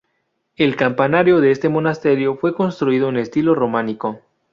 El campanario de este monasterio fue construido en estilo románico.